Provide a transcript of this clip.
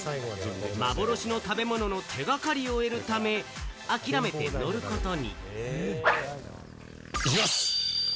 幻の食べ物の手がかりを得るため諦めて乗ることに。